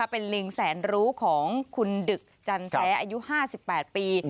เป็นลิงแสนรู้ของคุณดึกจันแท้อายุ๕๘ปี